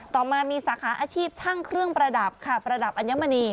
ต่อมามีสาขาอาชีพช่างเครื่องประดับค่ะประดับอัญมณี